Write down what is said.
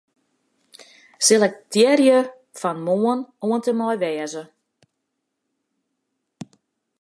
Selektearje fan 'Moarn' oant en mei 'wêze'.